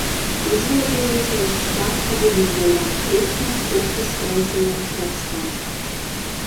Izvietojusies štata vidusdaļā Krišnas upes kreisajā krastā.